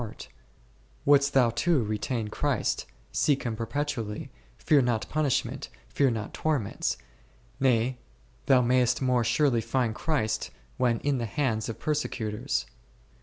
o _— Q <®n i^olg STtrgmttg 35 Wouldst thou too retain Christ, seek Him perpetually, fear not punishment, fear not torments ; nay, thou mayest more surely find Christ, when in the hands of persecutors.